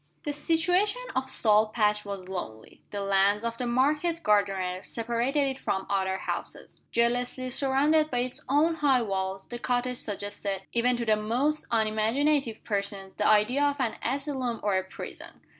The situation of Salt Patch was lonely. The lands of the market gardeners separated it from other houses. Jealously surrounded by its own high walls, the cottage suggested, even to the most unimaginative persons, the idea of an asylum or a prison.